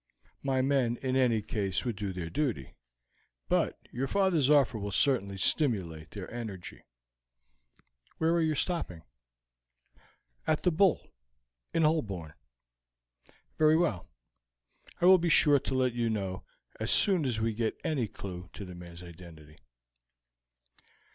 My men in any case would do their duty, but your father's offer will certainly stimulate their energy. Where are you stopping?" "At the Bull, in Holborn." "Very well; I will be sure to let you know as soon as we get any clew to the man's identity."